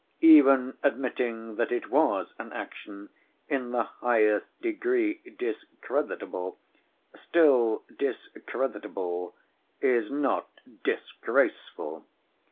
Even admitting that it was an action in the highest degree discreditable, still, discreditable is not 'disgraceful.